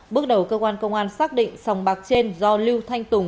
bước đầu công an xác định sòng bạc trên do lưu thanh tùng